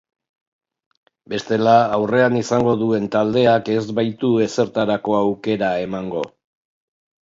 Bestela, aurrean izango duen taldeak ez baitu ezertarako aukera emango.